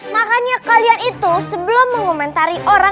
makanya kalian itu sebelum mengomentari orang